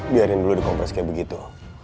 biarin dulu dikompres kayak begitu